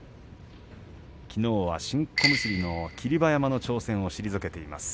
きのうは新小結の霧馬山の挑戦を退けています。